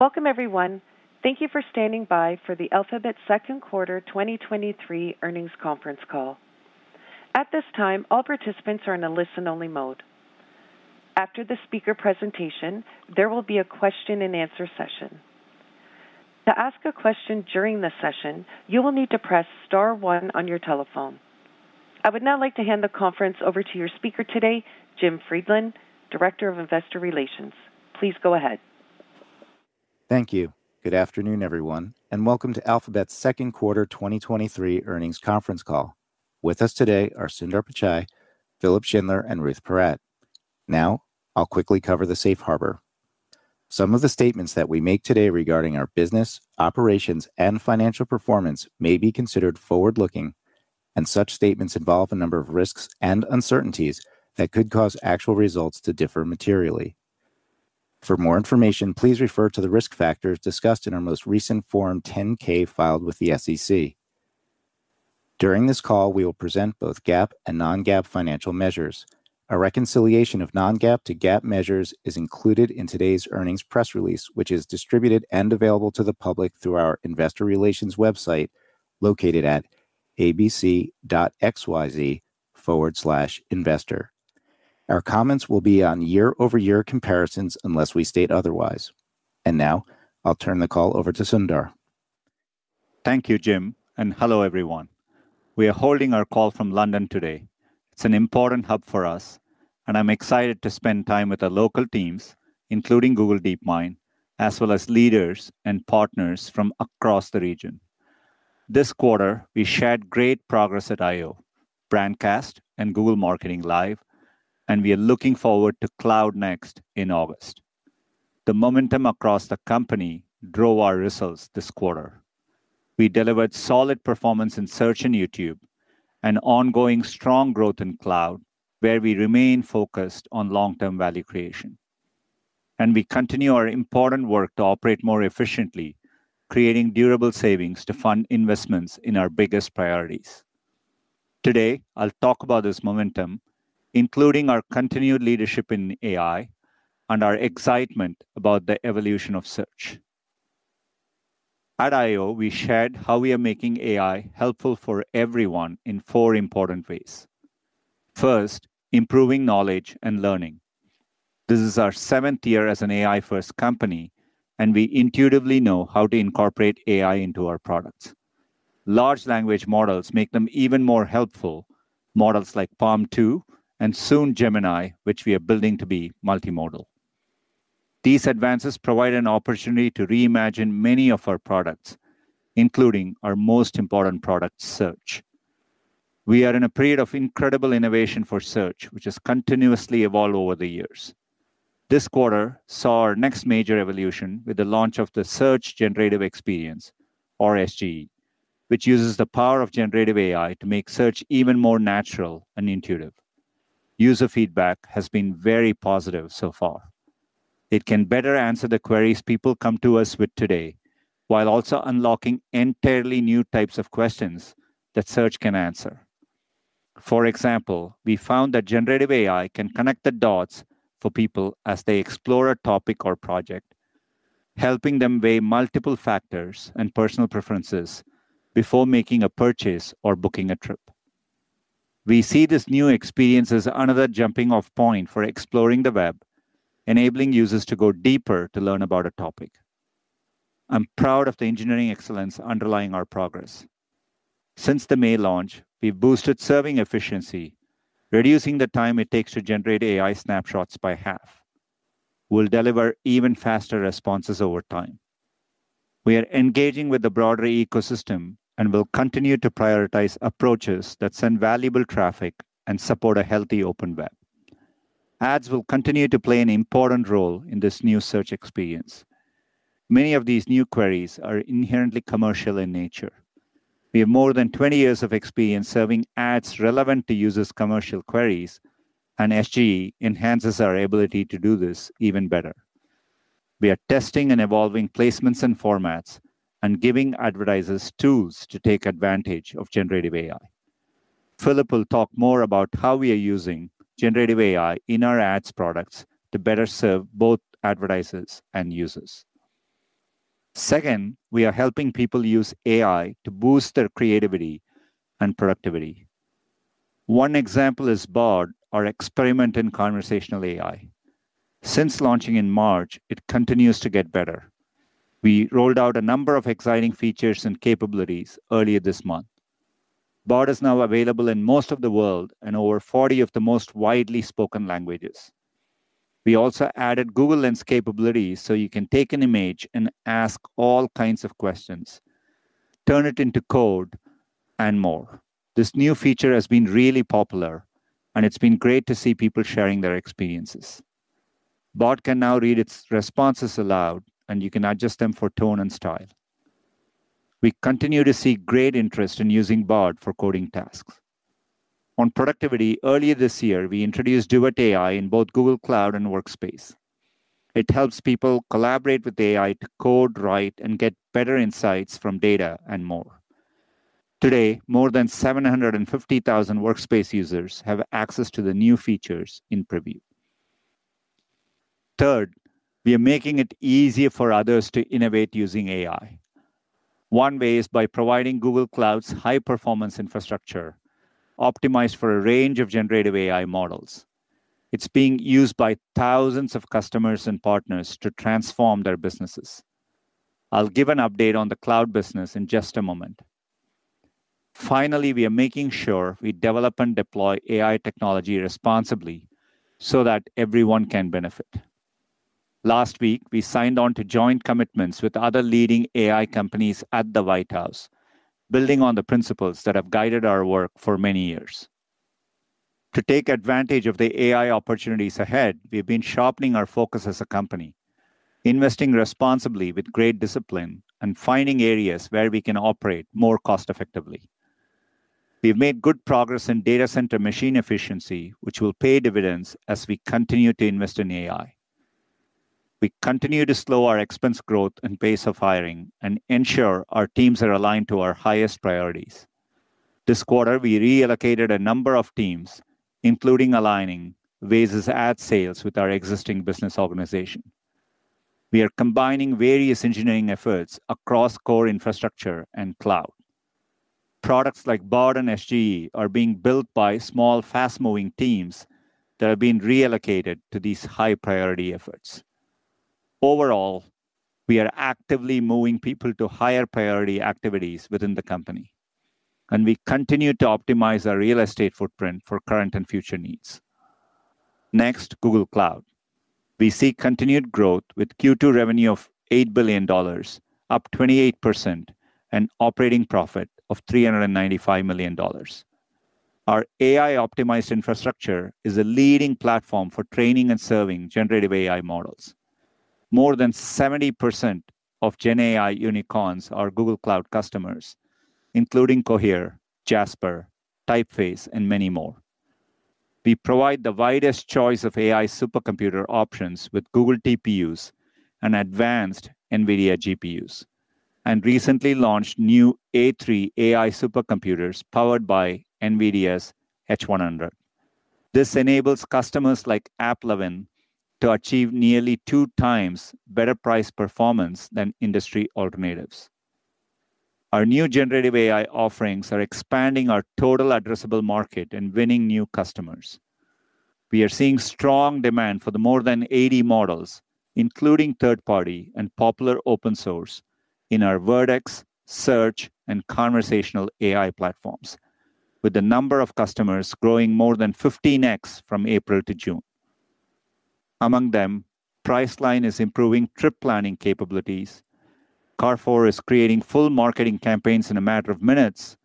Welcome, everyone. Thank you for standing by for the Alphabet Second Quarter 2023 Earnings Conference Call. At this time, all participants are in a listen-only mode. After the speaker presentation, there will be a question-and-answer session. To ask a question during the session, you will need to press star one on your telephone. I would now like to hand the conference over to your speaker today, Jim Friedland, Director of Investor Relations. Please go ahead. Thank you. Good afternoon, everyone, and welcome to Alphabet's Second Quarter 2023 earnings conference call. With us today are Sundar Pichai, Philipp Schindler, and Ruth Porat. Now, I'll quickly cover the Safe Harbor. Some of the statements that we make today regarding our business, operations, and financial performance may be considered forward-looking, and such statements involve a number of risks and uncertainties that could cause actual results to differ materially. For more information, please refer to the risk factors discussed in our most recent Form 10-K filed with the SEC. During this call, we will present both GAAP and non-GAAP financial measures. A reconciliation of non-GAAP to GAAP measures is included in today's earnings press release, which is distributed and available to the public through our Investor Relations website located at abc.xyz/investor. Our comments will be on year-over-year comparisons unless we state otherwise. And now, I'll turn the call over to Sundar. Thank you, Jim, and hello, everyone. We are holding our call from London today. It's an important hub for us, and I'm excited to spend time with our local teams, including Google DeepMind, as well as leaders and partners from across the region. This quarter, we shared great progress at I/O, Brandcast, and Google Marketing Live, and we are looking forward to Cloud Next in August. The momentum across the company drove our results this quarter. We delivered solid performance in Search and YouTube, and ongoing strong growth in Cloud, where we remain focused on long-term value creation. We continue our important work to operate more efficiently, creating durable savings to fund investments in our biggest priorities. Today, I'll talk about this momentum, including our continued leadership in AI and our excitement about the evolution of search. At I/O, we shared how we are making AI helpful for everyone in four important ways. First, improving knowledge and learning. This is our seventh year as an AI-first company, and we intuitively know how to incorporate AI into our products. Large language models make them even more helpful, models like PaLM 2 and soon Gemini, which we are building to be multimodal. These advances provide an opportunity to reimagine many of our products, including our most important product, Search. We are in a period of incredible innovation for Search, which has continuously evolved over the years. This quarter saw our next major evolution with the launch of the Search Generative Experience, or SGE, which uses the power of generative AI to make search even more natural and intuitive. User feedback has been very positive so far. It can better answer the queries people come to us with today, while also unlocking entirely new types of questions that Search can answer. For example, we found that generative AI can connect the dots for people as they explore a topic or project, helping them weigh multiple factors and personal preferences before making a purchase or booking a trip. We see this new experience as another jumping-off point for exploring the web, enabling users to go deeper to learn about a topic. I'm proud of the engineering excellence underlying our progress. Since the May launch, we've boosted serving efficiency, reducing the time it takes to generate AI snapshots by half. We'll deliver even faster responses over time. We are engaging with the broader ecosystem and will continue to prioritize approaches that send valuable traffic and support a healthy open web. Ads will continue to play an important role in this new Search experience. Many of these new queries are inherently commercial in nature. We have more than 20 years of experience serving ads relevant to users' commercial queries, and SGE enhances our ability to do this even better. We are testing and evolving placements and formats and giving advertisers tools to take advantage of generative AI. Philipp will talk more about how we are using generative AI in our ads products to better serve both advertisers and users. Second, we are helping people use AI to boost their creativity and productivity. One example is Bard, our experiment in conversational AI. Since launching in March, it continues to get better. We rolled out a number of exciting features and capabilities earlier this month. Bard is now available in most of the world and over 40 of the most widely spoken languages. We also added Google Lens capabilities so you can take an image and ask all kinds of questions, turn it into code, and more. This new feature has been really popular, and it's been great to see people sharing their experiences. Bard can now read its responses aloud, and you can adjust them for tone and style. We continue to see great interest in using Bard for coding tasks. On productivity, earlier this year, we introduced Duet AI in both Google Cloud and Workspace. It helps people collaborate with AI to code, write, and get better insights from data and more. Today, more than 750,000 Workspace users have access to the new features in preview. Third, we are making it easier for others to innovate using AI. One way is by providing Google Cloud's high-performance infrastructure optimized for a range of generative AI models. It's being used by thousands of customers and partners to transform their businesses. I'll give an update on the Cloud business in just a moment. Finally, we are making sure we develop and deploy AI technology responsibly so that everyone can benefit. Last week, we signed on to joint commitments with other leading AI companies at the White House, building on the principles that have guided our work for many years. To take advantage of the AI opportunities ahead, we have been sharpening our focus as a company, investing responsibly with great discipline, and finding areas where we can operate more cost-effectively. We have made good progress in data center machine efficiency, which will pay dividends as we continue to invest in AI. We continue to slow our expense growth and pace of hiring and ensure our teams are aligned to our highest priorities. This quarter, we reallocated a number of teams, including aligning Waze's ad sales with our existing business organization. We are combining various engineering efforts across core infrastructure and Cloud. Products like Bard and SGE are being built by small, fast-moving teams that have been reallocated to these high-priority efforts. Overall, we are actively moving people to higher-priority activities within the company, and we continue to optimize our real estate footprint for current and future needs. Next, Google Cloud. We see continued growth with Q2 revenue of $8 billion, up 28%, and operating profit of $395 million. Our AI-optimized infrastructure is a leading platform for training and serving generative AI models. More than 70% of Gen AI unicorns are Google Cloud customers, including Cohere, Jasper, Typeface, and many more. We provide the widest choice of AI supercomputer options with Google TPUs and advanced NVIDIA GPUs, and recently launched new A3 AI supercomputers powered by NVIDIA's H100. This enables customers like AppLovin to achieve nearly two times better price performance than industry alternatives. Our new generative AI offerings are expanding our total addressable market and winning new customers. We are seeing strong demand for the more than 80 models, including third-party and popular open source, in our Vertex, Search, and Conversational AI platforms, with the number of customers growing more than 15x from April to June. Among them, Priceline is improving trip planning capabilities, Carrefour is creating full marketing campaigns in a matter of minutes,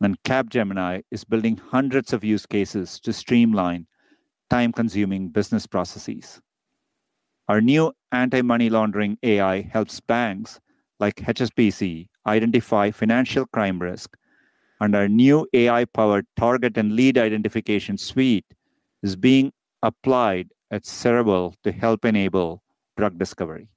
and Capgemini is building hundreds of use cases to streamline time-consuming business processes. Our new Anti-Money Laundering AI helps banks like HSBC identify financial crime risk, and our new AI-powered Target and Lead Identification Suite is being applied at Cerevel to help enable drug discovery.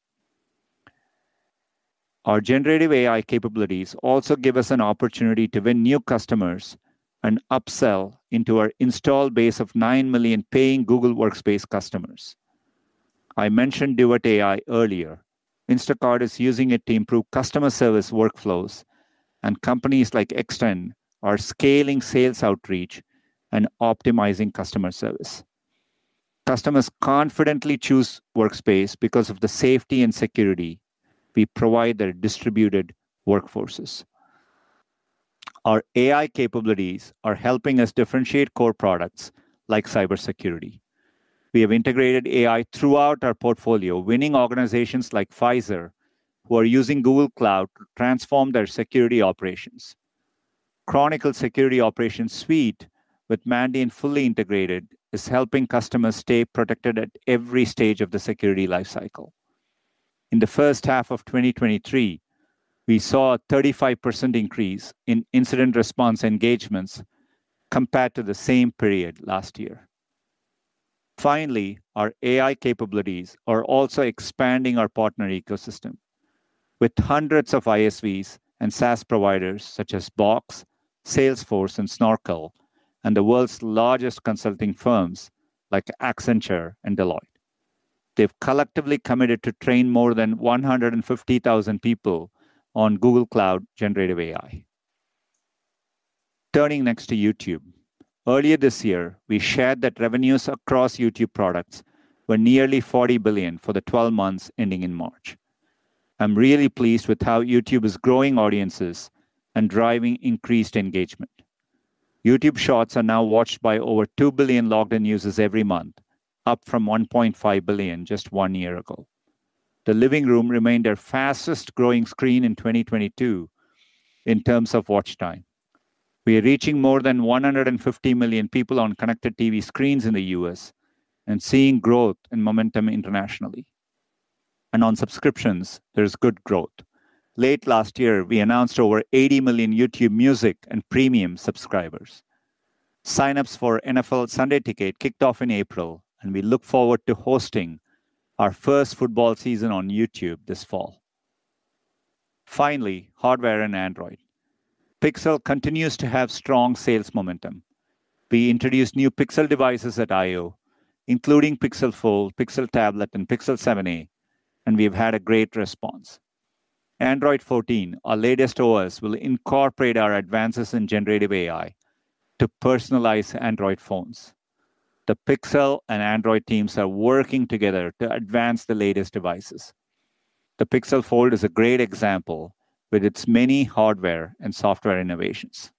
Our generative AI capabilities also give us an opportunity to win new customers and upsell into our installed base of nine million paying Google Workspace customers. I mentioned Duet AI earlier. Instacart is using it to improve customer service workflows, and companies like Extend are scaling sales outreach and optimizing customer service. Customers confidently choose Workspace because of the safety and security we provide their distributed workforces. Our AI capabilities are helping us differentiate core products like cybersecurity. We have integrated AI throughout our portfolio, winning organizations like Pfizer, who are using Google Cloud to transform their security operations. Chronicle Security Operations Suite, with Mandiant fully integrated, is helping customers stay protected at every stage of the security lifecycle. In the first half of 2023, we saw a 35% increase in incident response engagements compared to the same period last year. Finally, our AI capabilities are also expanding our partner ecosystem with hundreds of ISVs and SaaS providers such as Box, Salesforce, and Snorkel, and the world's largest consulting firms like Accenture and Deloitte. They've collectively committed to train more than 150,000 people on Google Cloud generative AI. Turning next to YouTube, earlier this year, we shared that revenues across YouTube products were nearly $40 billion for the 12 months ending in March. I'm really pleased with how YouTube is growing audiences and driving increased engagement. YouTube Shorts are now watched by over 2 billion logged-in users every month, up from 1.5 billion just one year ago. The Living Room remained our fastest-growing screen in 2022 in terms of watch time. We are reaching more than 150 million people on Connected TV screens in the U.S. and seeing growth and momentum internationally. And on subscriptions, there is good growth. Late last year, we announced over 80 million YouTube Music and Premium subscribers. Sign-ups for NFL Sunday Ticket kicked off in April, and we look forward to hosting our first football season on YouTube this fall. Finally, hardware and Android. Pixel continues to have strong sales momentum. We introduced new Pixel devices at I/O, including Pixel Fold, Pixel Tablet, and Pixel 7a, and we have had a great response. Android 14, our latest OS, will incorporate our advances in generative AI to personalize Android phones. The Pixel and Android teams are working together to advance the latest devices. The Pixel Fold is a great example with its many hardware and software innovations.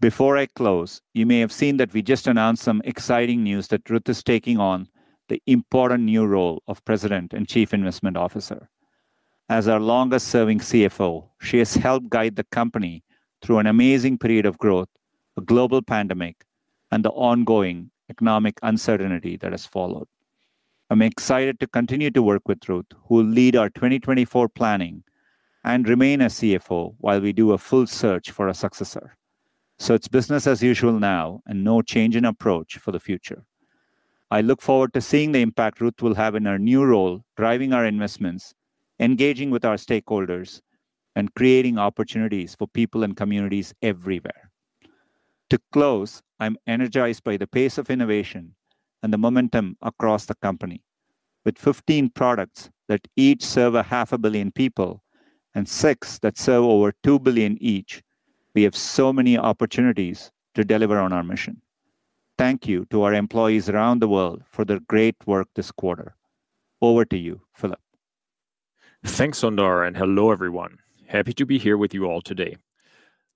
Before I close, you may have seen that we just announced some exciting news that Ruth is taking on the important new role of President and Chief Investment Officer. As our longest-serving CFO, she has helped guide the company through an amazing period of growth, a global pandemic, and the ongoing economic uncertainty that has followed. I'm excited to continue to work with Ruth, who will lead our 2024 planning and remain as CFO while we do a full search for a successor. So it's business as usual now and no change in approach for the future. I look forward to seeing the impact Ruth will have in our new role, driving our investments, engaging with our stakeholders, and creating opportunities for people and communities everywhere. To close, I'm energized by the pace of innovation and the momentum across the company. With 15 products that each serve 500 million people and six that serve over two billion each, we have so many opportunities to deliver on our mission. Thank you to our employees around the world for their great work this quarter. Over to you, Philipp. Thanks, Sundar, and hello, everyone. Happy to be here with you all today.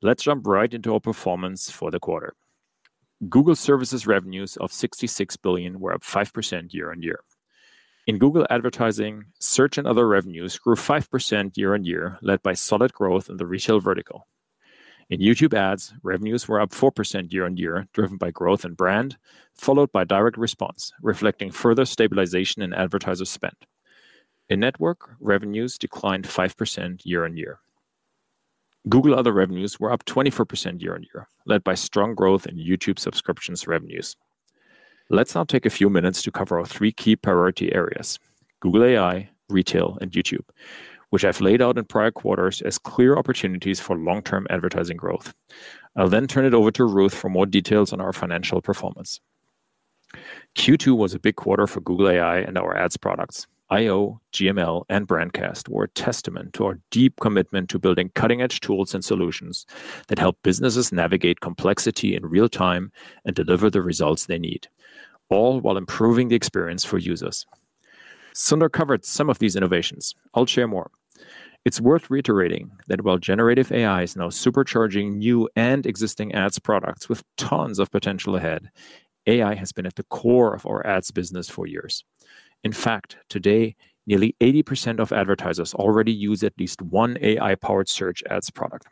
Let's jump right into our performance for the quarter. Google Services revenues of $66 billion were up 5% year-on-year. In Google Advertising, Search and other revenues grew 5% year-on-year, led by solid growth in the Retail vertical. In YouTube Ads, revenues were up 4% year-on-year, driven by growth and brand, followed by direct response, reflecting further stabilization in advertiser spend. In Network, revenues declined 5% year-on-year. Google Other revenues were up 24% year-on-year, led by strong growth in YouTube subscriptions revenues. Let's now take a few minutes to cover our three key priority areas: Google AI, retail, and YouTube, which I've laid out in prior quarters as clear opportunities for long-term advertising growth. I'll then turn it over to Ruth for more details on our financial performance. Q2 was a big quarter for Google AI and our ads products. I/O, GML, and Brandcast were a testament to our deep commitment to building cutting-edge tools and solutions that help businesses navigate complexity in real time and deliver the results they need, all while improving the experience for users. Sundar covered some of these innovations. I'll share more. It's worth reiterating that while generative AI is now supercharging new and existing ads products with tons of potential ahead, AI has been at the core of our ads business for years. In fact, today, nearly 80% of advertisers already use at least one AI-powered Search Ads product.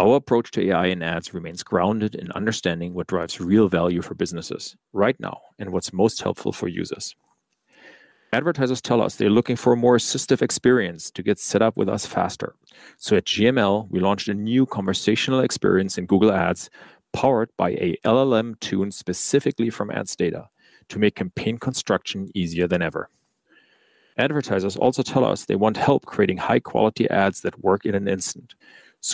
Our approach to AI in ads remains grounded in understanding what drives real value for businesses right now and what's most helpful for users. Advertisers tell us they're looking for a more assistive experience to get set up with us faster. So at GML, we launched a new conversational experience in Google Ads powered by a LLM tuned specifically from ads data to make campaign construction easier than ever. Advertisers also tell us they want help creating high-quality ads that work in an instant.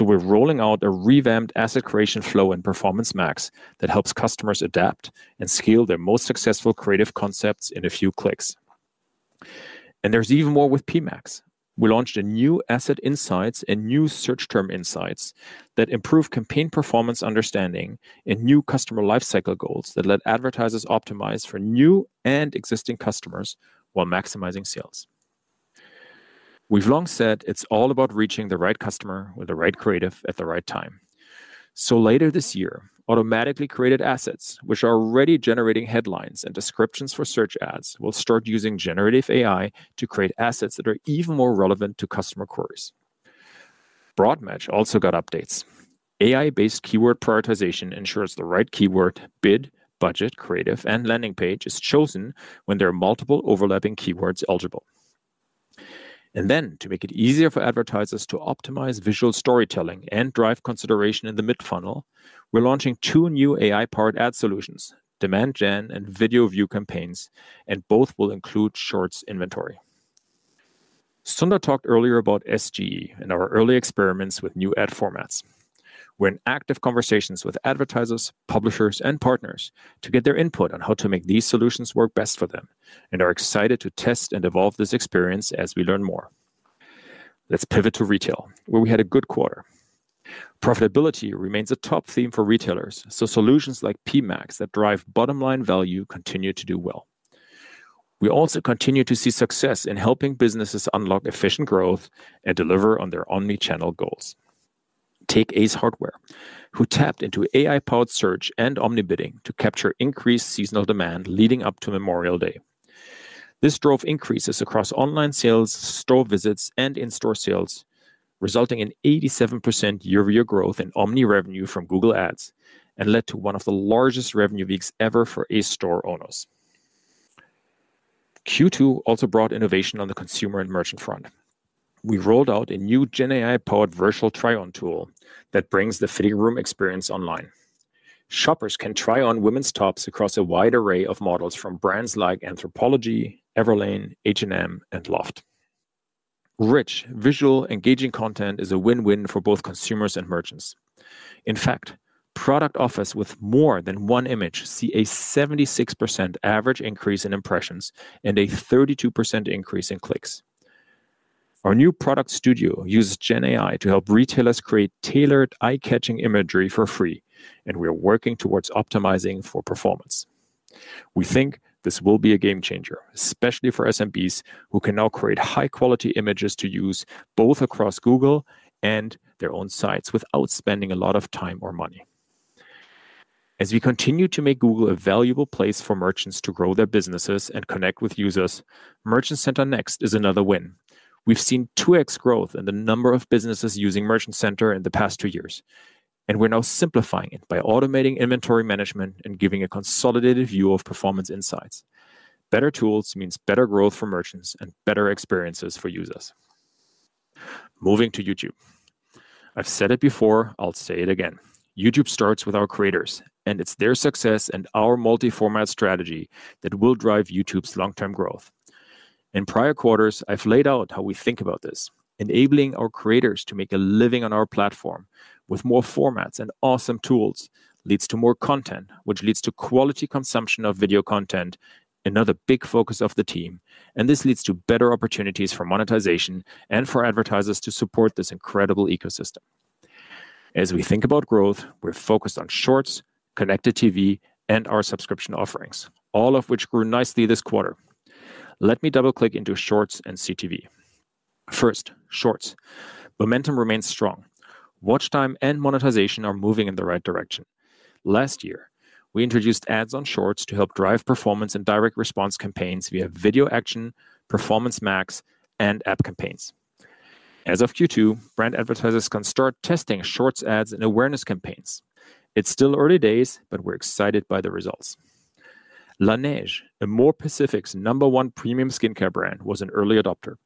We're rolling out a revamped asset creation flow in Performance Max that helps customers adapt and scale their most successful creative concepts in a few clicks. And there's even more with PMax. We launched a new asset insights and new search term insights that improve campaign performance understanding and new customer lifecycle goals that let advertisers optimize for new and existing customers while maximizing sales. We've long said it's all about reaching the right customer with the right creative at the right time. So later this year, Automatically Created Assets, which are already generating headlines and descriptions for Search Ads, will start using Generative AI to create assets that are even more relevant to customer queries. Broad match also got updates. AI-based keyword prioritization ensures the right keyword, bid, budget, creative, and landing page is chosen when there are multiple overlapping keywords eligible. And then, to make it easier for advertisers to optimize visual storytelling and drive consideration in the mid-funnel, we're launching two new AI-powered ad solutions, Demand Gen and Video View campaigns, and both will include Shorts inventory. Sundar talked earlier about SGE and our early experiments with new ad formats. We're in active conversations with advertisers, publishers, and partners to get their input on how to make these solutions work best for them, and are excited to test and evolve this experience as we learn more. Let's pivot to Retail, where we had a good quarter. Profitability remains a top theme for retailers, so solutions like PMax that drive bottom-line value continue to do well. We also continue to see success in helping businesses unlock efficient growth and deliver on their omnichannel goals. Take Ace Hardware, who tapped into AI-powered Search and omni-bidding to capture increased seasonal demand leading up to Memorial Day. This drove increases across online sales, store visits, and in-store sales, resulting in 87% year-over-year growth in omni revenue from Google Ads and led to one of the largest revenue weeks ever for Ace store owners. Q2 also brought innovation on the consumer and merchant front. We rolled out a new GenAI-powered virtual try-on tool that brings the fitting room experience online. Shoppers can try on women's tops across a wide array of models from brands like Anthropologie, Everlane, H&M, and Loft. Rich, visual, engaging content is a win-win for both consumers and merchants. In fact, product offers with more than one image see a 76% average increase in impressions and a 32% increase in clicks. Our new Product Studio uses GenAI to help retailers create tailored, eye-catching imagery for free, and we are working towards optimizing for performance. We think this will be a game changer, especially for SMBs, who can now create high-quality images to use both across Google and their own sites without spending a lot of time or money. As we continue to make Google a valuable place for merchants to grow their businesses and connect with users, Merchant Center Next is another win. We've seen 2x growth in the number of businesses using Merchant Center in the past two years, and we're now simplifying it by automating inventory management and giving a consolidated view of performance insights. Better tools mean better growth for merchants and better experiences for users. Moving to YouTube. I've said it before, I'll say it again. YouTube starts with our creators, and it's their success and our multi-format strategy that will drive YouTube's long-term growth. In prior quarters, I've laid out how we think about this. Enabling our creators to make a living on our platform with more formats and awesome tools leads to more content, which leads to quality consumption of video content, another big focus of the team, and this leads to better opportunities for monetization and for advertisers to support this incredible ecosystem. As we think about growth, we're focused on Shorts, Connected TV, and our Subscription Offerings, all of which grew nicely this quarter. Let me double-click into Shorts and CTV. First, Shorts. Momentum remains strong. Watch time and monetization are moving in the right direction. Last year, we introduced ads on Shorts to help drive performance and direct response campaigns via Video Action, Performance Max, and App Campaigns. As of Q2, brand advertisers can start testing Shorts ads and awareness campaigns. It's still early days, but we're excited by the results. Laneige, Amorepacific's number one premium skincare brand, was an early adopter.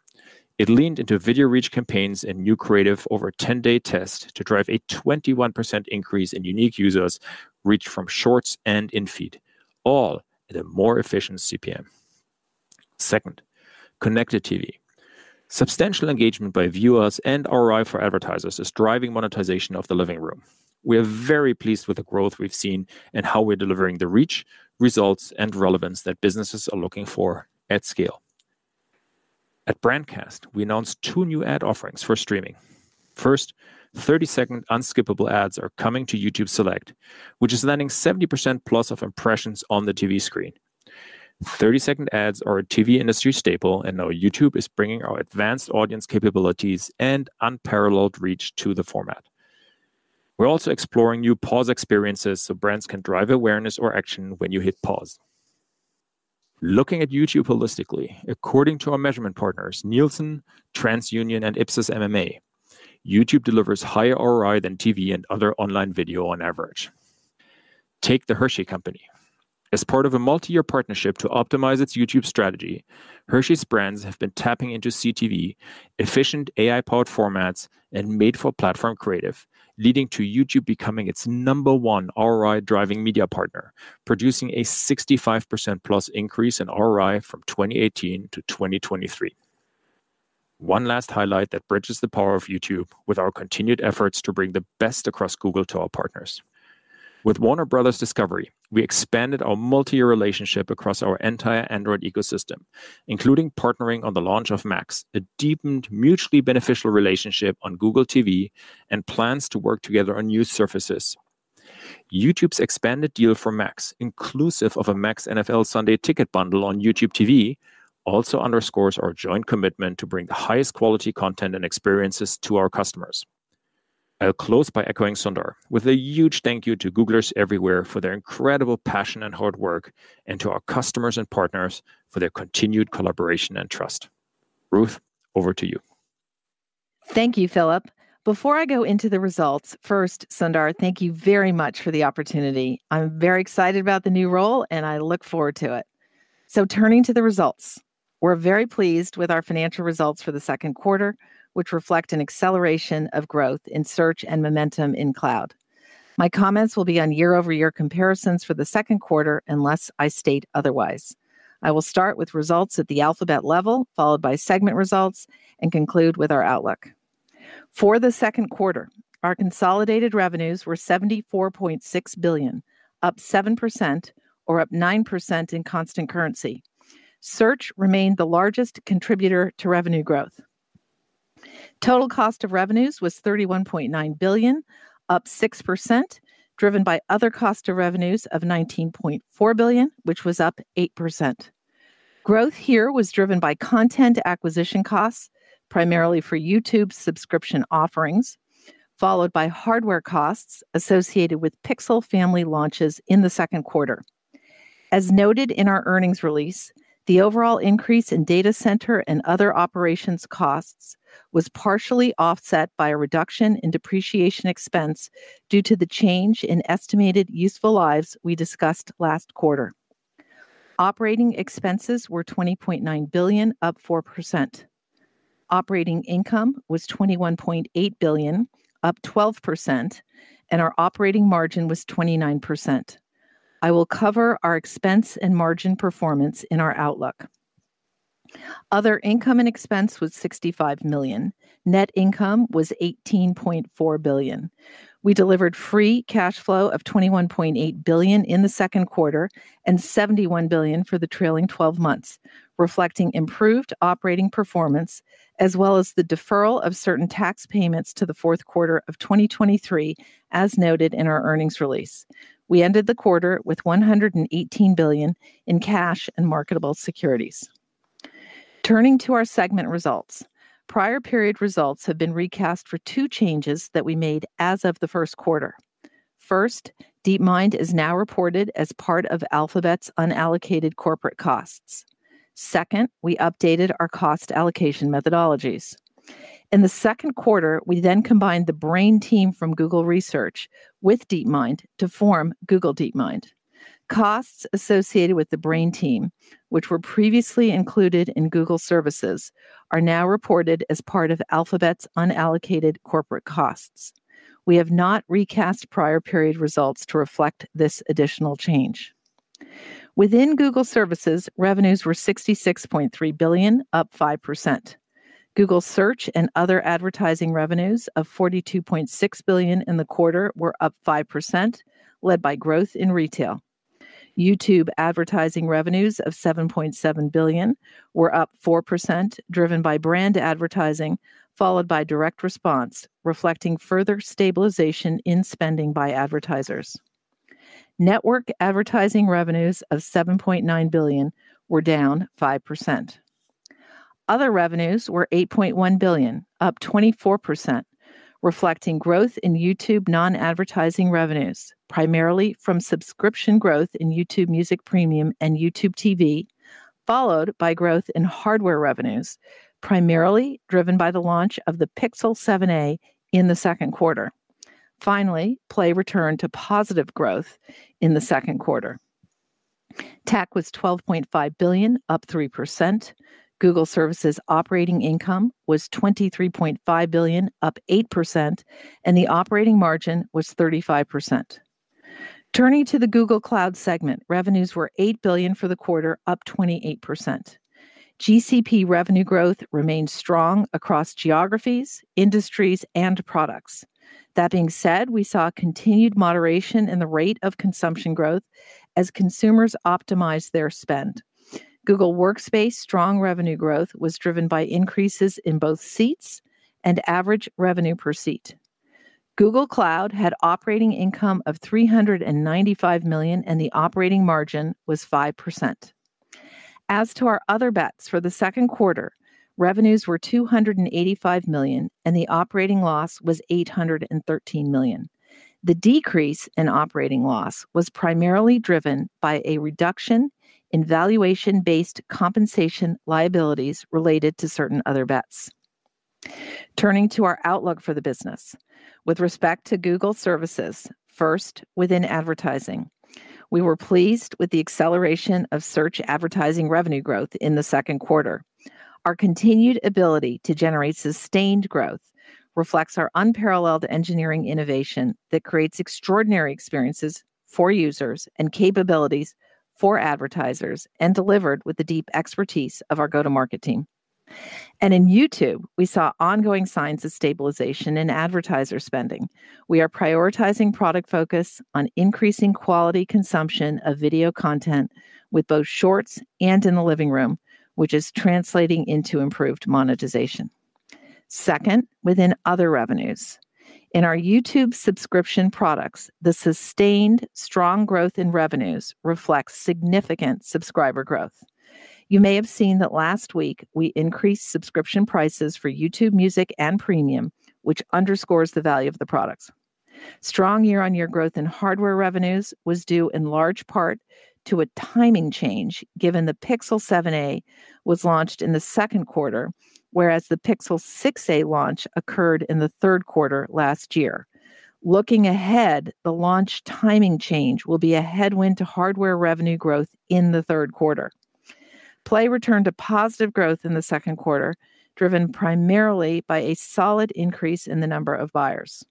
It leaned into Video Reach campaigns and new creative over a 10-day test to drive a 21% increase in unique users reached from Shorts and In-feed, all at a more efficient CPM. Second, Connected TV. Substantial engagement by viewers and ROI for advertisers is driving monetization of the Living Room. We are very pleased with the growth we've seen and how we're delivering the reach, results, and relevance that businesses are looking for at scale. At Brandcast, we announced two new ad offerings for streaming. First, 30-second unskippable ads are coming to YouTube Select, which is landing 70% plus of impressions on the TV screen. 30-second ads are a TV industry staple, and now YouTube is bringing our advanced audience capabilities and unparalleled reach to the format. We're also exploring new Pause experiences so brands can drive awareness or action when you hit pause. Looking at YouTube holistically, according to our measurement partners, Nielsen, TransUnion, and Ipsos MMA, YouTube delivers higher ROI than TV and other online video on average. Take the Hershey Company. As part of a multi-year partnership to optimize its YouTube strategy, Hershey's brands have been tapping into CTV, efficient AI-powered formats, and made-for-platform creative, leading to YouTube becoming its number one ROI-driving media partner, producing a 65% plus increase in ROI from 2018 to 2023. One last highlight that bridges the power of YouTube with our continued efforts to bring the best across Google to our partners. With Warner Bros. Discovery, we expanded our multi-year relationship across our entire Android ecosystem, including partnering on the launch of Max, a deepened mutually beneficial relationship on Google TV, and plans to work together on new surfaces. YouTube's expanded deal for Max, inclusive of a Max NFL Sunday Ticket bundle on YouTube TV, also underscores our joint commitment to bring the highest quality content and experiences to our customers. I'll close by echoing Sundar with a huge thank you to Googlers everywhere for their incredible passion and hard work, and to our customers and partners for their continued collaboration and trust. Ruth, over to you. Thank you, Philipp. Before I go into the results, first, Sundar, thank you very much for the opportunity. I'm very excited about the new role, and I look forward to it. So turning to the results, we're very pleased with our financial results for the second quarter, which reflect an acceleration of growth in Search and momentum in Cloud. My comments will be on year-over-year comparisons for the second quarter unless I state otherwise. I will start with results at the Alphabet level, followed by segment results, and conclude with our outlook. For the second quarter, our consolidated revenues were $74.6 billion, up 7%, or up 9% in constant currency. Search remained the largest contributor to revenue growth. Total cost of revenues was $31.9 billion, up 6%, driven by other cost of revenues of $19.4 billion, which was up 8%. Growth here was driven by content acquisition costs, primarily for YouTube subscription offerings, followed by hardware costs associated with Pixel family launches in the second quarter. As noted in our earnings release, the overall increase in data center and other operations costs was partially offset by a reduction in depreciation expense due to the change in estimated useful lives we discussed last quarter. Operating expenses were $20.9 billion, up 4%. Operating income was $21.8 billion, up 12%, and our operating margin was 29%. I will cover our expense and margin performance in our outlook. Other Income and Expense was $65 million. Net income was $18.4 billion. We delivered Free Cash Flow of $21.8 billion in the second quarter and $71 billion for the trailing 12 months, reflecting improved operating performance, as well as the deferral of certain tax payments to the fourth quarter of 2023, as noted in our earnings release. We ended the quarter with $118 billion in cash and marketable securities. Turning to our segment results, prior period results have been recast for two changes that we made as of the first quarter. First, DeepMind is now reported as part of Alphabet's unallocated corporate costs. Second, we updated our cost allocation methodologies. In the second quarter, we then combined the Brain Team from Google Research with DeepMind to form Google DeepMind. Costs associated with the Brain Team, which were previously included in Google Services, are now reported as part of Alphabet's unallocated corporate costs. We have not recast prior period results to reflect this additional change. Within Google Services, revenues were $66.3 billion, up 5%. Google Search and other advertising revenues of $42.6 billion in the quarter were up 5%, led by growth in retail. YouTube advertising revenues of $7.7 billion were up 4%, driven by brand advertising, followed by direct response, reflecting further stabilization in spending by advertisers. Network advertising revenues of $7.9 billion were down 5%. Other revenues were $8.1 billion, up 24%, reflecting growth in YouTube non-advertising revenues, primarily from subscription growth in YouTube Music Premium and YouTube TV, followed by growth in hardware revenues, primarily driven by the launch of the Pixel 7a in the second quarter. Finally, Play returned to positive growth in the second quarter. TAC was $12.5 billion, up 3%. Google Services operating income was $23.5 billion, up 8%, and the operating margin was 35%. Turning to the Google Cloud segment, revenues were $8 billion for the quarter, up 28%. GCP revenue growth remained strong across geographies, industries, and products. That being said, we saw continued moderation in the rate of consumption growth as consumers optimized their spend. Google Workspace strong revenue growth was driven by increases in both seats and average revenue per seat. Google Cloud had operating income of $395 million, and the operating margin was 5%. As to our Other Bets for the second quarter, revenues were $285 million, and the operating loss was $813 million. The decrease in operating loss was primarily driven by a reduction in valuation-based compensation liabilities related to certain Other Bets. Turning to our outlook for the business, with respect to Google Services, first, within advertising, we were pleased with the acceleration of search advertising revenue growth in the second quarter. Our continued ability to generate sustained growth reflects our unparalleled engineering innovation that creates extraordinary experiences for users and capabilities for advertisers and delivered with the deep expertise of our go-to-market team, and in YouTube, we saw ongoing signs of stabilization in advertiser spending. We are prioritizing product focus on increasing quality consumption of video content with both Shorts and in the living room, which is translating into improved monetization. Second, within other revenues, in our YouTube subscription products, the sustained strong growth in revenues reflects significant subscriber growth. You may have seen that last week we increased subscription prices for YouTube Music and Premium, which underscores the value of the products. Strong year-on-year growth in hardware revenues was due in large part to a timing change, given the Pixel 7a was launched in the second quarter, whereas the Pixel 6a launch occurred in the third quarter last year. Looking ahead, the launch timing change will be a headwind to hardware revenue growth in the third quarter. Play returned to positive growth in the second quarter, driven primarily by a solid increase in the number of buyers.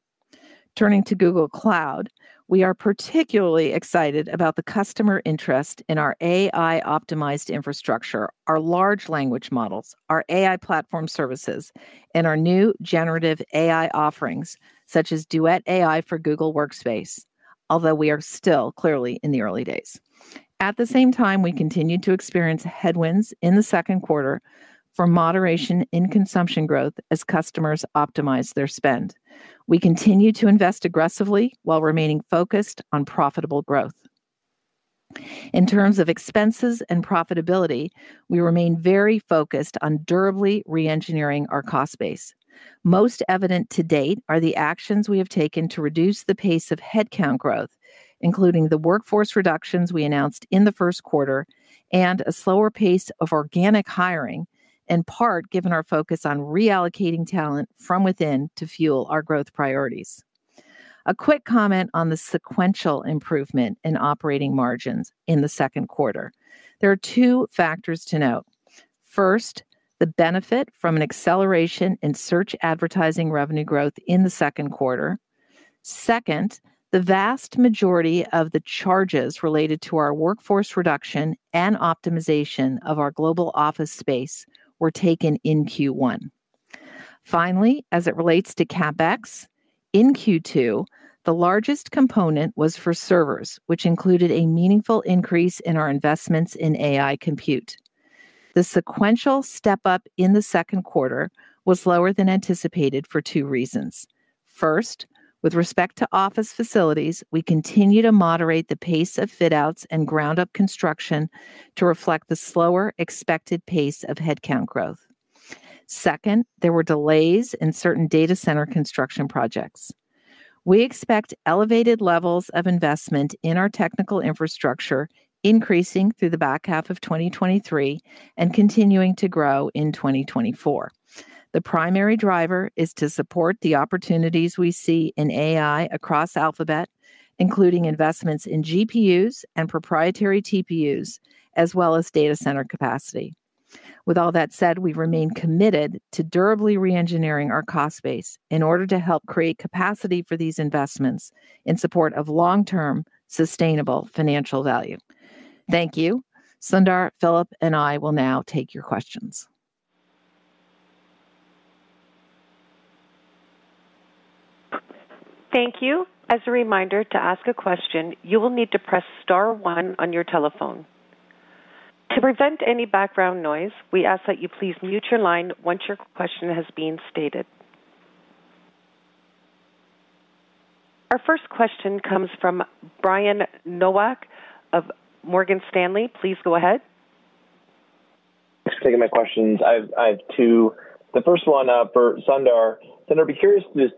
Turning to Google Cloud, we are particularly excited about the customer interest in our AI-optimized infrastructure, our large language models, our AI platform services, and our new generative AI offerings, such as Duet AI for Google Workspace, although we are still clearly in the early days. At the same time, we continue to experience headwinds in the second quarter for moderation in consumption growth as customers optimize their spend. We continue to invest aggressively while remaining focused on profitable growth. In terms of expenses and profitability, we remain very focused on durably re-engineering our cost base. Most evident to date are the actions we have taken to reduce the pace of headcount growth, including the workforce reductions we announced in the first quarter and a slower pace of organic hiring, in part given our focus on reallocating talent from within to fuel our growth priorities. A quick comment on the sequential improvement in operating margins in the second quarter. There are two factors to note. First, the benefit from an acceleration in search advertising revenue growth in the second quarter. Second, the vast majority of the charges related to our workforce reduction and optimization of our global office space were taken in Q1. Finally, as it relates to CapEx, in Q2, the largest component was for servers, which included a meaningful increase in our investments in AI compute. The sequential step-up in the second quarter was lower than anticipated for two reasons. First, with respect to office facilities, we continue to moderate the pace of fit-outs and ground-up construction to reflect the slower expected pace of headcount growth. Second, there were delays in certain data center construction projects. We expect elevated levels of investment in our technical infrastructure increasing through the back half of 2023 and continuing to grow in 2024. The primary driver is to support the opportunities we see in AI across Alphabet, including investments in GPUs and proprietary TPUs, as well as data center capacity. With all that said, we remain committed to durably re-engineering our cost base in order to help create capacity for these investments in support of long-term sustainable financial value. Thank you. Sundar, Philipp, and I will now take your questions. Thank you. As a reminder to ask a question, you will need to press star one on your telephone. To prevent any background noise, we ask that you please mute your line once your question has been stated. Our first question comes from Brian Nowak of Morgan Stanley. Please go ahead. Thanks for taking my questions. I have two. The first one for Sundar. Sundar, I'd be curious to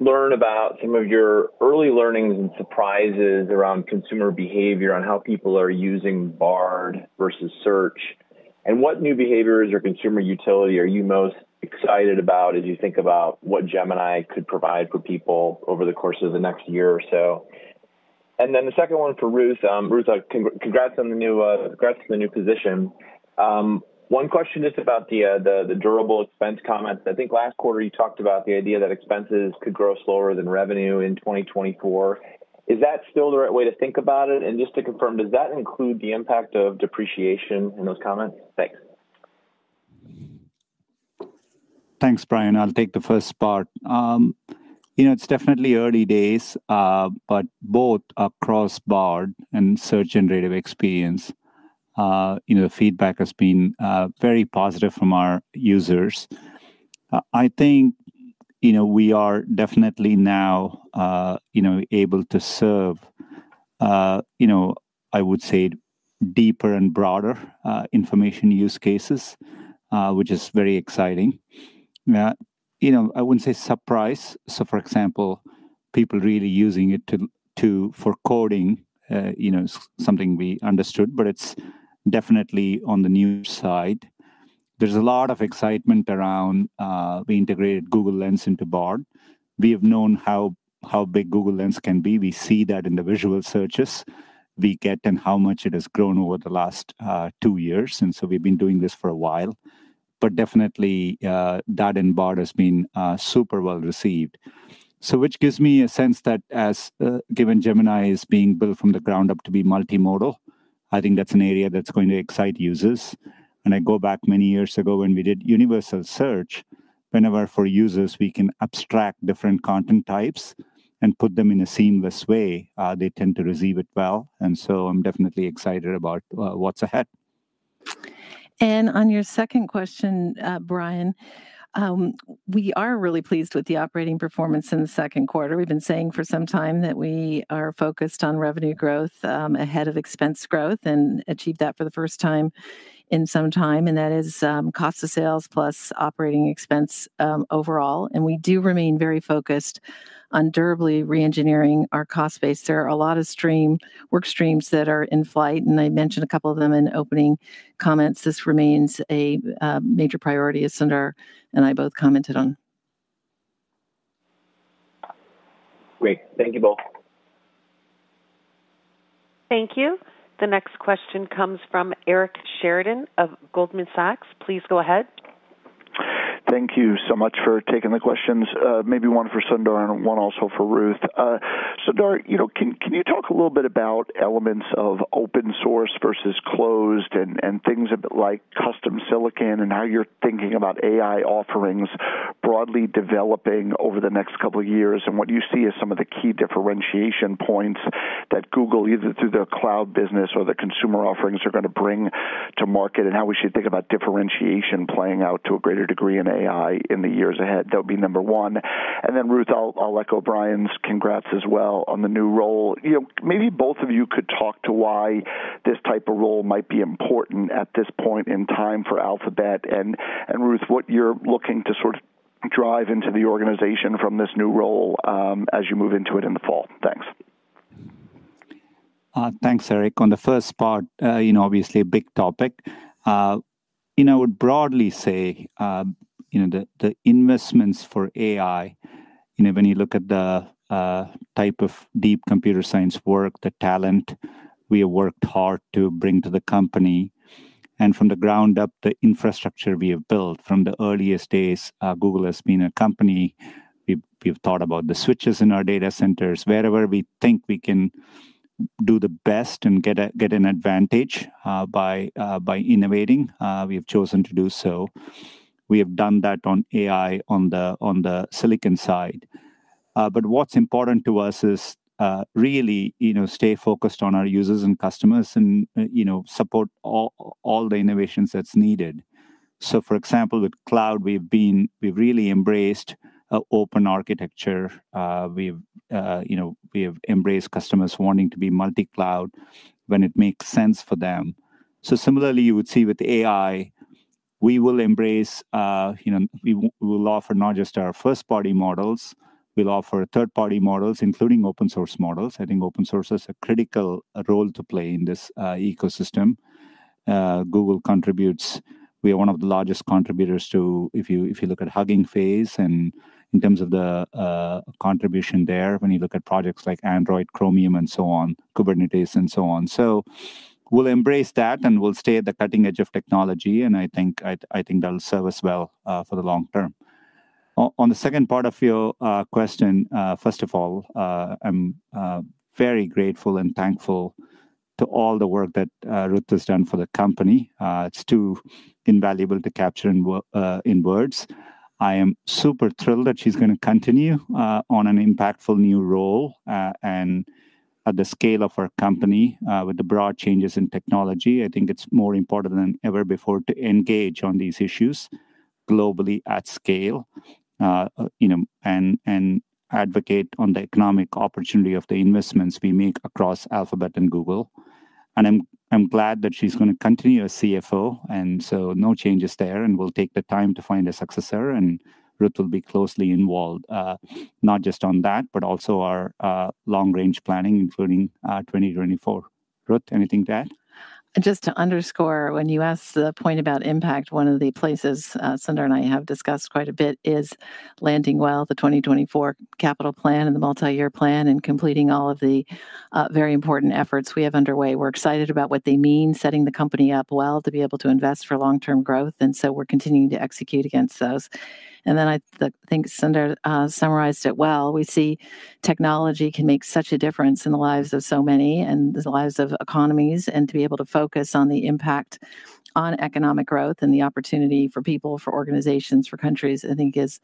learn about some of your early learnings and surprises around consumer behavior on how people are using Bard versus Search. And what new behaviors or consumer utility are you most excited about as you think about what Gemini could provide for people over the course of the next year or so? And then the second one for Ruth. Ruth, congrats on the new position. One question just about the durable expense comments. I think last quarter you talked about the idea that expenses could grow slower than revenue in 2024. Is that still the right way to think about it? And just to confirm, does that include the impact of depreciation in those comments? Thanks. Thanks, Brian. I'll take the first part. It's definitely early days, but both across Bard and Search and Search Generative Experience, the feedback has been very positive from our users. I think we are definitely now able to serve, I would say, deeper and broader information use cases, which is very exciting. I wouldn't say surprise. So, for example, people really using it for coding is something we understood, but it's definitely on the new side. There's a lot of excitement around the integrated Google Lens into Bard. We have known how big Google Lens can be. We see that in the visual searches we get and how much it has grown over the last two years, and so we've been doing this for a while. But definitely, that and Bard has been super well received, which gives me a sense that, given Gemini is being built from the ground up to be multimodal, I think that's an area that's going to excite users. And I go back many years ago when we did Universal Search, whenever for users we can abstract different content types and put them in a seamless way, they tend to receive it well. And so I'm definitely excited about what's ahead. And on your second question, Brian, we are really pleased with the operating performance in the second quarter. We've been saying for some time that we are focused on revenue growth ahead of expense growth and achieved that for the first time in some time. And that is cost of sales plus operating expense overall. And we do remain very focused on durably re-engineering our cost base. There are a lot of work streams that are in flight, and I mentioned a couple of them in opening comments. This remains a major priority, as Sundar and I both commented on. Great. Thank you both. Thank you. The next question comes from Eric Sheridan of Goldman Sachs. Please go ahead. Thank you so much for taking the questions. Maybe one for Sundar and one also for Ruth. Sundar, can you talk a little bit about elements of open source versus closed and things like custom silicon and how you're thinking about AI offerings broadly developing over the next couple of years and what you see as some of the key differentiation points that Google, either through their cloud business or the consumer offerings, are going to bring to market and how we should think about differentiation playing out to a greater degree in AI in the years ahead? That would be number one. And then, Ruth, I'll echo Brian's congrats as well on the new role. Maybe both of you could talk to why this type of role might be important at this point in time for Alphabet and Ruth, what you're looking to sort of drive into the organization from this new role as you move into it in the fall. Thanks. Thanks, Eric. On the first part, obviously a big topic. I would broadly say the investments for AI, when you look at the type of deep computer science work, the talent we have worked hard to bring to the company, and from the ground up, the infrastructure we have built from the earliest days, Google has been a company. We've thought about the switches in our data centers, wherever we think we can do the best and get an advantage by innovating, we have chosen to do so. We have done that on AI on the silicon side. But what's important to us is really stay focused on our users and customers and support all the innovations that's needed. So, for example, with cloud, we've really embraced an open architecture. We have embraced customers wanting to be multi-cloud when it makes sense for them. So similarly, you would see with AI, we will embrace we will offer not just our first-party models. We'll offer third-party models, including open-source models. I think open source has a critical role to play in this ecosystem. Google contributes. We are one of the largest contributors to, if you look at Hugging Face and in terms of the contribution there, when you look at projects like Android, Chromium, and so on, Kubernetes, and so on. So we'll embrace that and we'll stay at the cutting edge of technology. And I think that'll serve us well for the long term. On the second part of your question, first of all, I'm very grateful and thankful to all the work that Ruth has done for the company. It's too invaluable to capture in words. I am super thrilled that she's going to continue on an impactful new role. At the scale of our company, with the broad changes in technology, I think it's more important than ever before to engage on these issues globally at scale and advocate on the economic opportunity of the investments we make across Alphabet and Google. I'm glad that she's going to continue as CFO, and so no changes there. We'll take the time to find a successor. Ruth will be closely involved, not just on that, but also our long-range planning, including 2024. Ruth, anything to add? Just to underscore, when you asked the point about impact, one of the places Sundar and I have discussed quite a bit is landing well the 2024 capital plan and the multi-year plan and completing all of the very important efforts we have underway. We're excited about what they mean, setting the company up well to be able to invest for long-term growth. And so we're continuing to execute against those. And then I think Sundar summarized it well. We see technology can make such a difference in the lives of so many and the lives of economies. And to be able to focus on the impact on economic growth and the opportunity for people, for organizations, for countries, I think is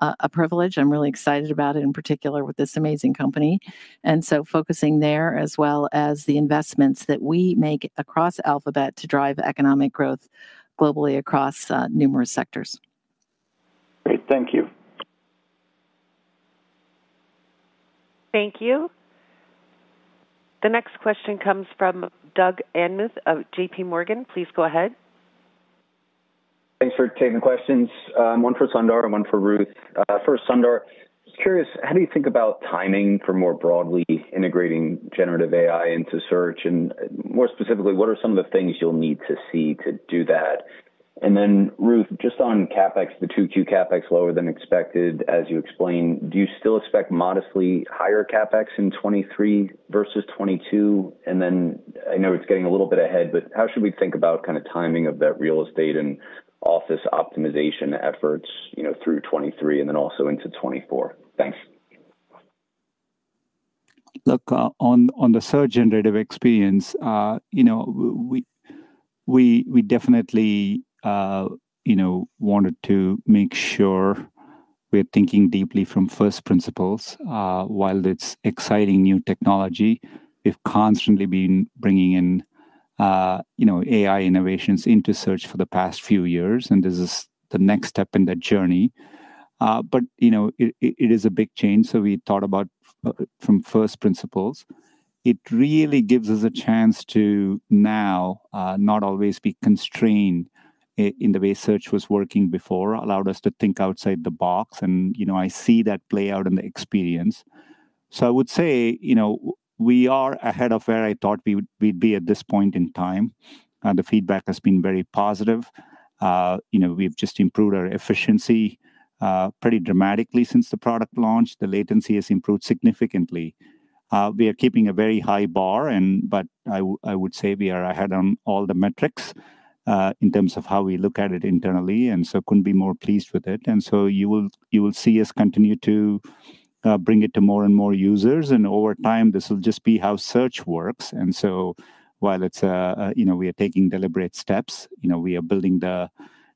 a privilege. I'm really excited about it, in particular with this amazing company. And so focusing there as well as the investments that we make across Alphabet to drive economic growth globally across numerous sectors. Great. Thank you. Thank you. The next question comes from Doug Anmuth of J.P. Morgan. Please go ahead. Thanks for taking the questions. One for Sundar and one for Ruth. First, Sundar, I'm curious, how do you think about timing for more broadly integrating Generative AI into search? And more specifically, what are some of the things you'll need to see to do that? And then, Ruth, just on CapEx, the 2Q CapEx lower than expected, as you explained. Do you still expect modestly higher CapEx in 2023 versus 2022? And then I know it's getting a little bit ahead, but how should we think about kind of timing of that real estate and office optimization efforts through 2023 and then also into 2024? Thanks. Look, on the Search Generative Experience, we definitely wanted to make sure we're thinking deeply from first principles. While it's exciting new technology, we've constantly been bringing in AI innovations into search for the past few years. And this is the next step in that journey. But it is a big change. We thought about from first principles. It really gives us a chance to now not always be constrained in the way search was working before, allowed us to think outside the box. And I see that play out in the experience. So I would say we are ahead of where I thought we'd be at this point in time. The feedback has been very positive. We've just improved our efficiency pretty dramatically since the product launch. The latency has improved significantly. We are keeping a very high bar, but I would say we are ahead on all the metrics in terms of how we look at it internally. And so couldn't be more pleased with it. And so you will see us continue to bring it to more and more users. And over time, this will just be how search works. While we are taking deliberate steps, we are building the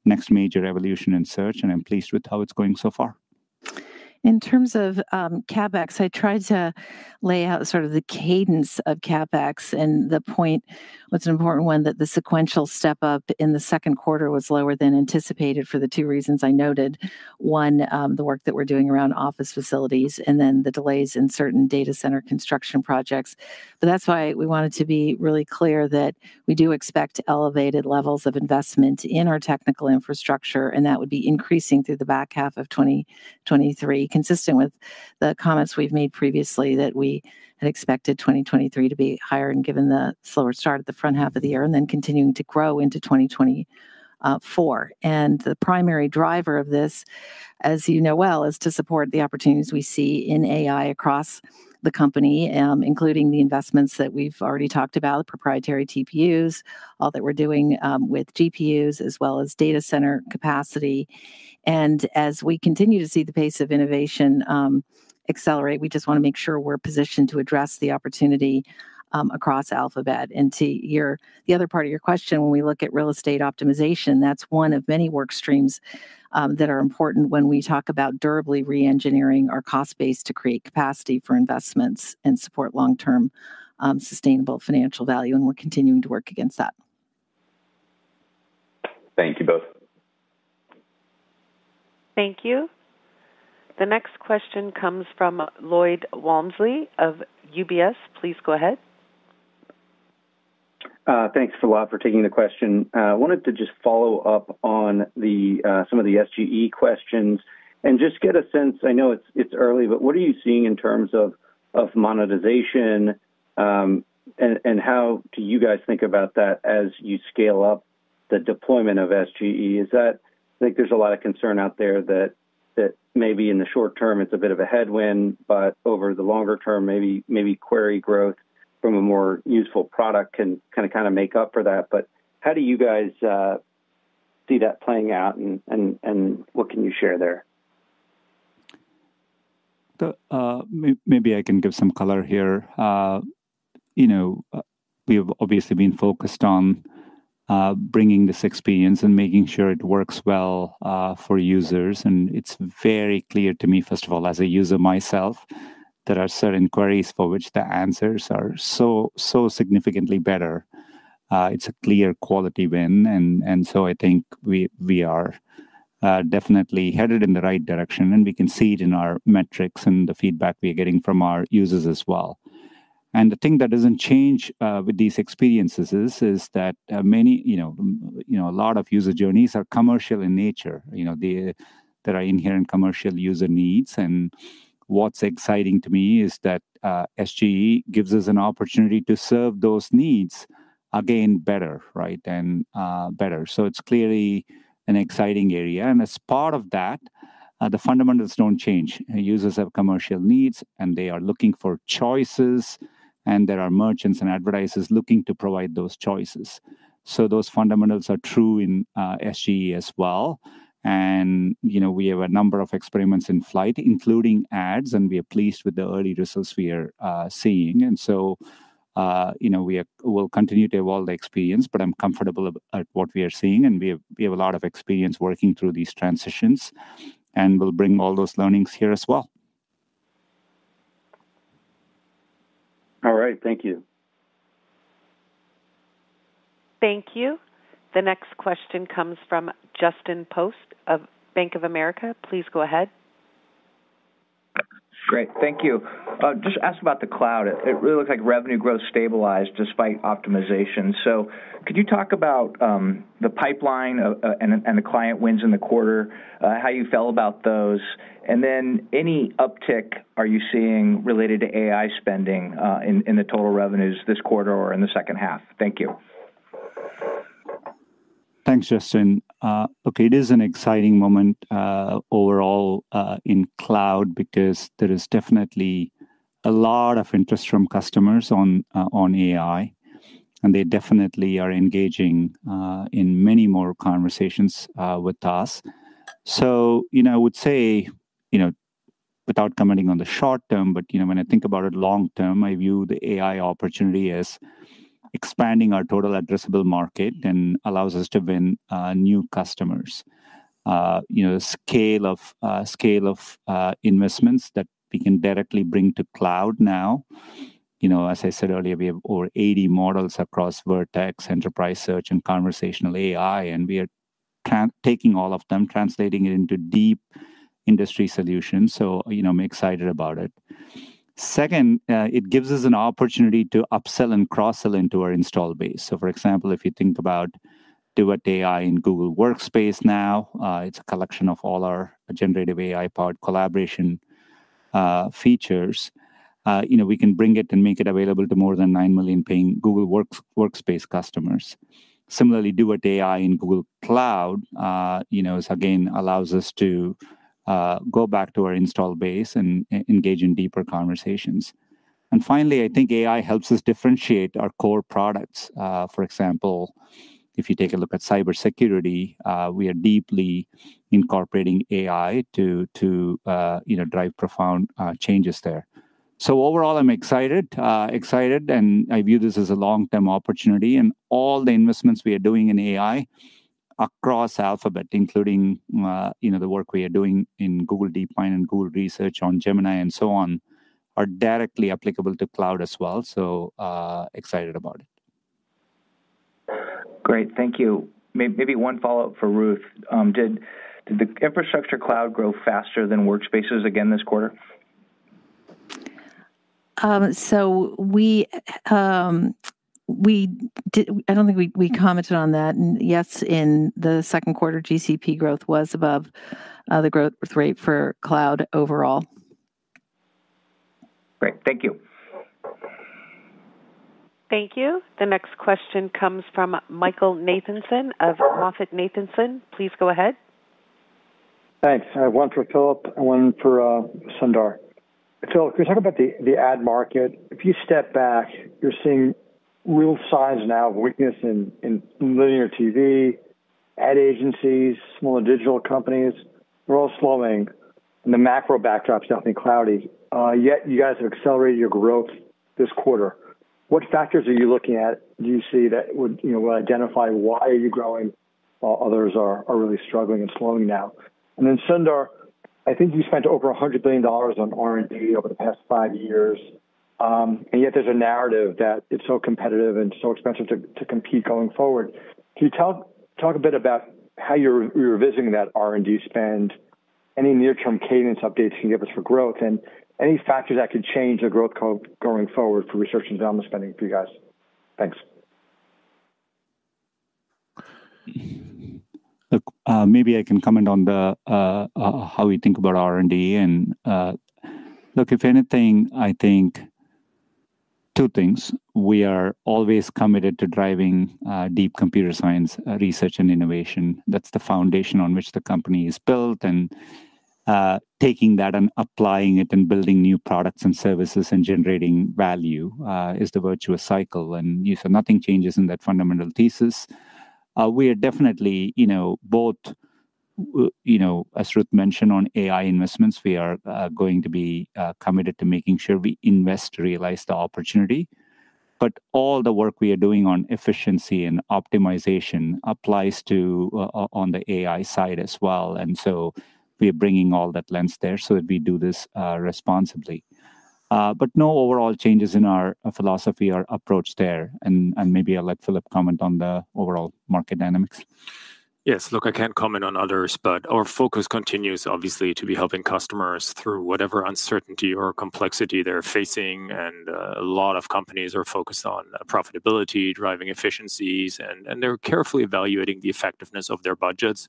next major evolution in search. I'm pleased with how it's going so far. In terms of CapEx, I tried to lay out sort of the cadence of CapEx. The point was an important one, that the sequential step-up in the second quarter was lower than anticipated for the two reasons I noted. One, the work that we're doing around office facilities, and then the delays in certain data center construction projects. That's why we wanted to be really clear that we do expect elevated levels of investment in our technical infrastructure. That would be increasing through the back half of 2023, consistent with the comments we've made previously that we had expected 2023 to be higher and given the slower start at the front half of the year and then continuing to grow into 2024. The primary driver of this, as you know well, is to support the opportunities we see in AI across the company, including the investments that we've already talked about, proprietary TPUs, all that we're doing with GPUs, as well as data center capacity. As we continue to see the pace of innovation accelerate, we just want to make sure we're positioned to address the opportunity across Alphabet. And to hear the other part of your question, when we look at real estate optimization, that's one of many work streams that are important when we talk about durably re-engineering our cost base to create capacity for investments and support long-term sustainable financial value. And we're continuing to work against that. Thank you both. Thank you. The next question comes from Lloyd Walmsley of UBS. Please go ahead. Thanks a lot for taking the question. I wanted to just follow up on some of the SGE questions and just get a sense. I know it's early, but what are you seeing in terms of monetization? And how do you guys think about that as you scale up the deployment of SGE? I think there's a lot of concern out there that maybe in the short term, it's a bit of a headwind, but over the longer term, maybe query growth from a more useful product can kind of make up for that. But how do you guys see that playing out? And what can you share there? Maybe I can give some color here. We have obviously been focused on bringing this experience and making sure it works well for users. And it's very clear to me, first of all, as a user myself, that are certain queries for which the answers are so significantly better. It's a clear quality win. And so I think we are definitely headed in the right direction. And we can see it in our metrics and the feedback we are getting from our users as well. And the thing that doesn't change with these experiences is that a lot of user journeys are commercial in nature. There are inherent commercial user needs. And what's exciting to me is that SGE gives us an opportunity to serve those needs again better, right? And better. So it's clearly an exciting area. And as part of that, the fundamentals don't change. Users have commercial needs, and they are looking for choices. And there are merchants and advertisers looking to provide those choices. So those fundamentals are true in SGE as well. And we have a number of experiments in flight, including ads. And we are pleased with the early results we are seeing. And so we will continue to evolve the experience, but I'm comfortable at what we are seeing. And we have a lot of experience working through these transitions. And we'll bring all those learnings here as well. All right. Thank you. Thank you. The next question comes from Justin Post of Bank of America. Please go ahead. Great. Thank you. Just asked about the cloud. It really looks like revenue growth stabilized despite optimization. So could you talk about the pipeline and the client wins in the quarter, how you felt about those? And then any uptick are you seeing related to AI spending in the total revenues this quarter or in the second half? Thank you. Thanks, Justin. Look, it is an exciting moment overall in cloud because there is definitely a lot of interest from customers on AI. And they definitely are engaging in many more conversations with us. So I would say, without commenting on the short term, but when I think about it long term, I view the AI opportunity as expanding our total addressable market and allows us to win new customers. The scale of investments that we can directly bring to cloud now, as I said earlier, we have over 80 models across Vertex, Enterprise Search, and Conversational AI. And we are taking all of them, translating it into deep industry solutions. So I'm excited about it. Second, it gives us an opportunity to upsell and cross-sell into our install base. So for example, if you think about Duet AI in Google Workspace now, it's a collection of all our generative AI-powered collaboration features. We can bring it and make it available to more than nine million paying Google Workspace customers. Similarly, Duet AI in Google Cloud, again, allows us to go back to our install base and engage in deeper conversations. And finally, I think AI helps us differentiate our core products. For example, if you take a look at cybersecurity, we are deeply incorporating AI to drive profound changes there. So overall, I'm excited. And I view this as a long-term opportunity. And all the investments we are doing in AI across Alphabet, including the work we are doing in Google DeepMind and Google Research on Gemini and so on, are directly applicable to cloud as well. So excited about it. Great. Thank you. Maybe one follow-up for Ruth. Did the infrastructure cloud grow faster than Workspaces again this quarter? So I don't think we commented on that. And yes, in the second quarter, GCP growth was above the growth rate for cloud overall. Great. Thank you. Thank you. The next question comes from Michael Nathanson of MoffettNathanson. Please go ahead. Thanks. I have one for Philipp. I have one for Sundar. Philipp, can we talk about the ad market? If you step back, you're seeing real signs now of weakness in linear TV, ad agencies, smaller digital companies. We're all slowing. And the macro backdrop's definitely cloudy. Yet you guys have accelerated your growth this quarter. What factors are you looking at, do you see, that will identify why are you growing while others are really struggling and slowing now? And then Sundar, I think you spent over $100 billion on R&D over the past five years. And yet there's a narrative that it's so competitive and so expensive to compete going forward. Can you talk a bit about how you're revisiting that R&D spend? Any near-term cadence updates can give us for growth? And any factors that could change the growth going forward for research and development spending for you guys? Thanks. Look, maybe I can comment on how we think about R&D. And look, if anything, I think two things. We are always committed to driving deep computer science research and innovation. That's the foundation on which the company is built. And taking that and applying it and building new products and services and generating value is the virtuous cycle. And so nothing changes in that fundamental thesis. We are definitely, both as Ruth mentioned on AI investments, we are going to be committed to making sure we invest to realize the opportunity. But all the work we are doing on efficiency and optimization applies to on the AI side as well. And so we are bringing all that lens there so that we do this responsibly. But no overall changes in our philosophy or approach there. And maybe I'll let Philipp comment on the overall market dynamics. Yes. Look, I can't comment on others, but our focus continues, obviously, to be helping customers through whatever uncertainty or complexity they're facing. And a lot of companies are focused on profitability, driving efficiencies. And they're carefully evaluating the effectiveness of their budgets.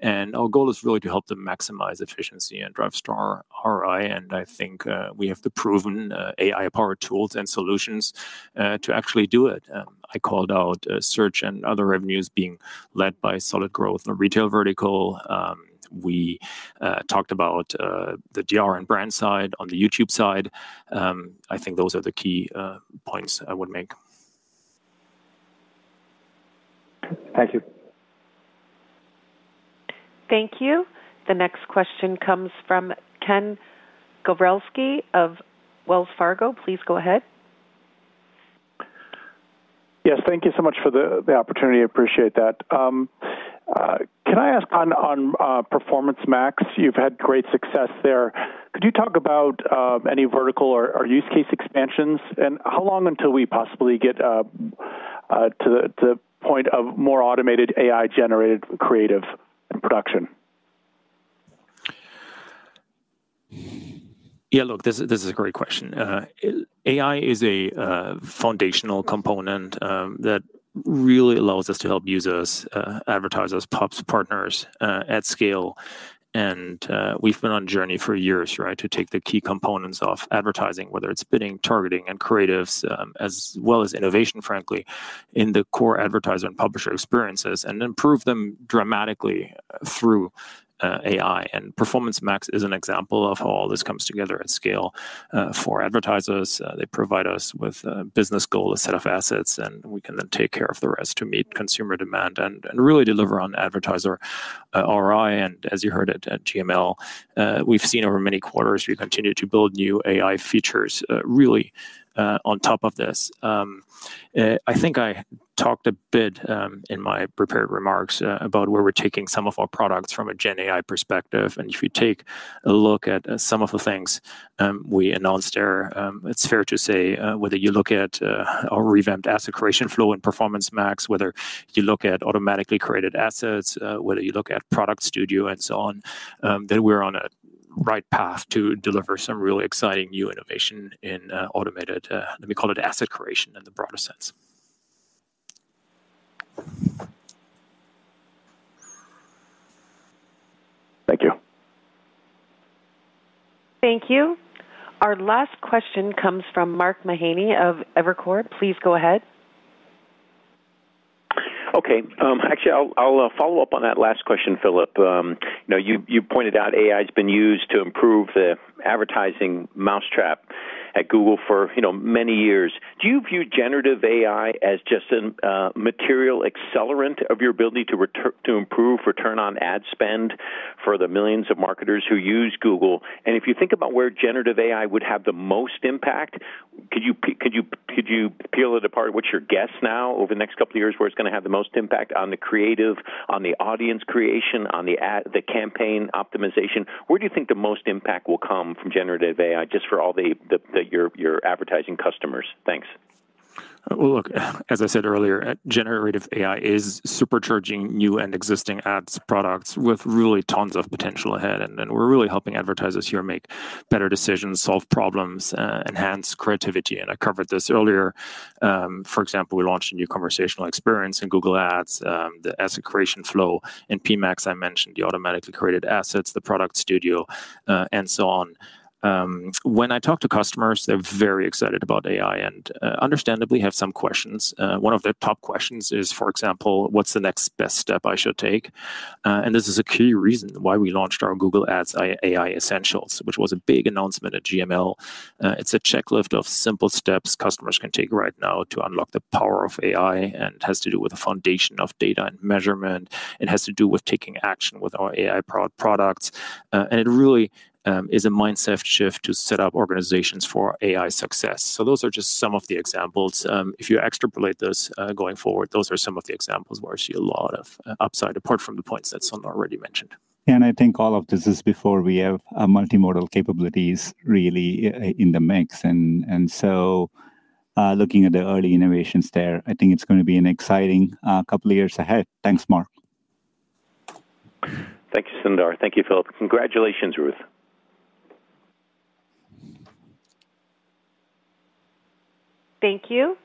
And our goal is really to help them maximize efficiency and drive strong ROI. And I think we have the proven AI-powered tools and solutions to actually do it. I called out search and other revenues being led by solid growth in the retail vertical. We talked about the Demand Gen and brand side on the YouTube side. I think those are the key points I would make. Thank you. Thank you. The next question comes from Ken Gawrelski of Wells Fargo. Please go ahead. Yes. Thank you so much for the opportunity. I appreciate that. Can I ask on Performance Max? You've had great success there. Could you talk about any vertical or use case expansions? And how long until we possibly get to the point of more automated AI-generated creative and production? Yeah. Look, this is a great question. AI is a foundational component that really allows us to help users, advertisers, our partners at scale. And we've been on a journey for years to take the key components of advertising, whether it's bidding, targeting, and creatives, as well as innovation, frankly, in the core advertiser and publisher experiences and improve them dramatically through AI. And Performance Max is an example of how all this comes together at scale for advertisers. They provide us with a business goal, a set of assets, and we can then take care of the rest to meet consumer demand and really deliver on advertiser ROI. And as you heard at GML, we've seen over many quarters we continue to build new AI features really on top of this. I think I talked a bit in my prepared remarks about where we're taking some of our products from a Gen AI perspective. And if you take a look at some of the things we announced there, it's fair to say whether you look at our revamped asset creation flow in Performance Max, whether you look at automatically created assets, whether you look at Product Studio and so on, that we're on a right path to deliver some really exciting new innovation in automated, let me call it asset creation in the broader sense. Thank you. Thank you. Our last question comes from Mark Mahaney of Evercore. Please go ahead. Okay. Actually, I'll follow up on that last question, Philipp. You pointed out AI has been used to improve the advertising mousetrap at Google for many years. Do you view generative AI as just a material accelerant of your ability to improve return on ad spend for the millions of marketers who use Google? And if you think about where generative AI would have the most impact, could you peel it apart? What's your guess now over the next couple of years where it's going to have the most impact on the creative, on the audience creation, on the campaign optimization? Where do you think the most impact will come from generative AI just for all your advertising customers? Thanks. Well, look, as I said earlier, generative AI is supercharging new and existing ads products with really tons of potential ahead. And we're really helping advertisers here make better decisions, solve problems, enhance creativity. And I covered this earlier. For example, we launched a new conversational experience in Google Ads, the asset creation flow in PMax. I mentioned the automatically created assets, the Product Studio, and so on. When I talk to customers, they're very excited about AI and understandably have some questions. One of their top questions is, for example, what's the next best step I should take? And this is a key reason why we launched our Google Ads AI Essentials, which was a big announcement at GML. It's a checklist of simple steps customers can take right now to unlock the power of AI. And it has to do with the foundation of data and measurement. It has to do with taking action with our AI-powered products. And it really is a mindset shift to set up organizations for AI success. So those are just some of the examples. If you extrapolate this going forward, those are some of the examples where I see a lot of upside apart from the points that Sundar already mentioned. And I think all of this is before we have multimodal capabilities really in the mix. And so looking at the early innovations there, I think it's going to be an exciting couple of years ahead. Thanks, Mark. Thank you, Sundar. Thank you, Philipp. Congratulations, Ruth. Thank you.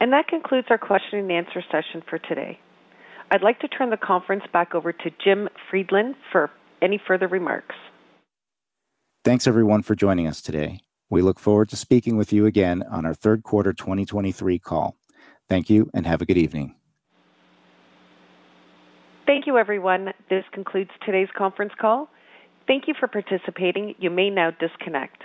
And that concludes our question and answer session for today. I'd like to turn the conference back over to Jim Friedland for any further remarks. Thanks, everyone, for joining us today. We look forward to speaking with you again on our third quarter 2023 call. Thank you and have a good evening. Thank you, everyone. This concludes today's conference call. Thank you for participating. You may now disconnect.